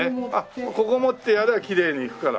ここ持ってやればきれいにいくから。